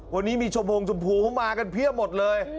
วันนี้มีชมพงชมพูเข้ามากันเพียบหมดเลย